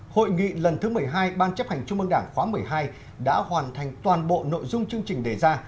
hội nghị lần thứ một mươi hai ban chấp hành trung mương đảng khóa một mươi hai đã hoàn thành toàn bộ nội dung chương trình đề ra